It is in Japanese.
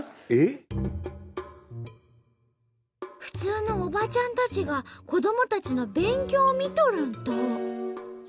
普通のおばちゃんたちが子どもたちの勉強を見とるんと！